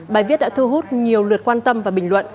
bài viết đã thu hút nhiều lượt quan tâm và bình luận